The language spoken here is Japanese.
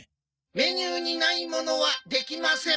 メニューにないものはできません。